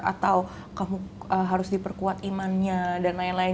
atau harus diperkuat imannya dan lain lain